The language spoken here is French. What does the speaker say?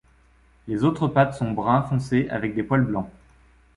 Les autres pattes sont brun foncé avec des poils blancs.